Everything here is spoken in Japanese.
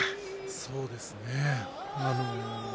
そうですね。